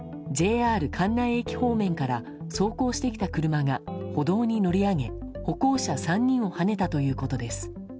ＪＲ関内駅方面から走行してきた車が歩道に乗り上げ、歩行者３人をはねたということです。